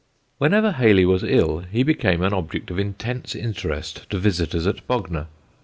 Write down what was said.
Whenever Hayley was ill he became an object of intense interest to visitors at Bognor.